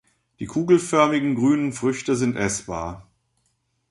Die kugelförmigen, grünen Früchte sind essbar.